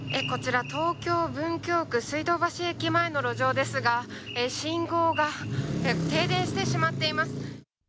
こちら東京・文京区水道橋駅前の路上ですが信号が停電してしまっています。